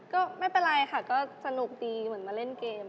ก็ไม่เป็นไรค่ะก็สนุกดีเหมือนมาเล่นเกม